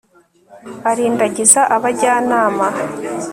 arindagiza abajyanama